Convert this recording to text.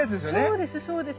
そうですそうです。